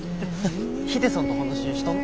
ヒデさんと話したの？